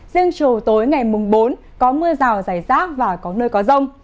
riêng chiều tối ngày mùng bốn có mưa rào rải rác và có nơi có rông